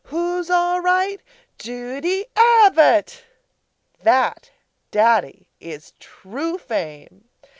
Who's all right? Judy Ab bott! That, Daddy, is true fame.